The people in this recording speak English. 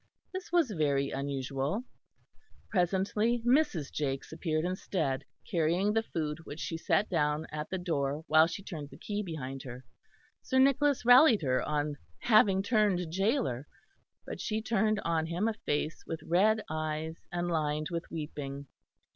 This was very unusual. Presently Mrs. Jakes appeared instead, carrying the food which she set down at the door while she turned the key behind her. Sir Nicholas rallied her on having turned gaoler; but she turned on him a face with red eyes and lined with weeping.